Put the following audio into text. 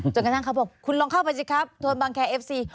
กระทั่งเขาบอกคุณลองเข้าไปสิครับโทนบังแคร์เอฟซี